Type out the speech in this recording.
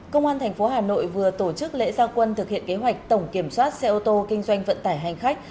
công an tp hà nội vừa tổ chức lễ gia quân thực hiện kế hoạch tổng kiểm soát xe ô tô kinh doanh vận tải hành khách